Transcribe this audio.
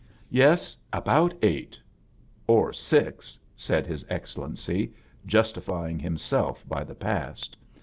"Yes, about eight Or six," said His Excellency, justifying himself by the past.